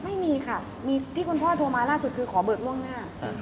ไม่มีค่ะมีที่คุณพ่อโทรมาล่าสุดคือขอเบิกล่วงหน้า